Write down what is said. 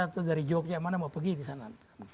atau dari jogja mana mau pergi ke sana